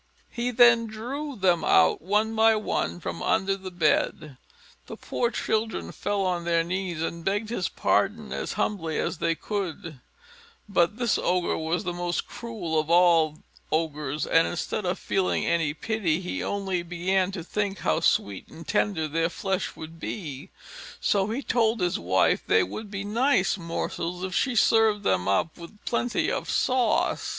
He then drew them out one by one from under the bed. The poor children fell on their knees and begged his pardon as humbly as they could; but this Ogre was the most cruel of all Ogres, and instead of feeling any pity, he only began to think how sweet and tender their flesh would be; so he told his wife they would be nice morsels, if she served them up with plenty of sauce.